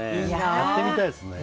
やってみたいですね。